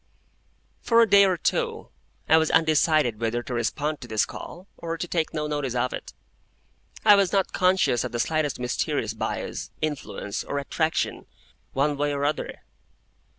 For a day or two I was undecided whether to respond to this call, or take no notice of it. I was not conscious of the slightest mysterious bias, influence, or attraction, one way or other.